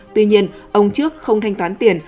tuy nhiên ông trước không thanh toán tiền